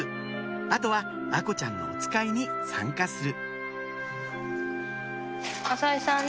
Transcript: あとは「愛心ちゃんのおつかいに参加する」